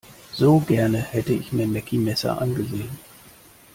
So gerne hätte ich mir Meckie Messer angesehen.